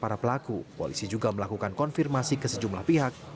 para pelaku polisi juga melakukan konfirmasi ke sejumlah pihak